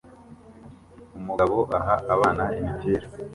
Umugabo aha abana imipira